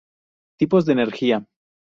Tipos de energía.